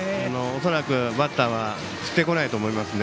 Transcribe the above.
恐らく、バッターは振ってこないと思いますので。